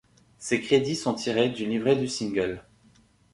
Ces crédits sont tirés du livret du single.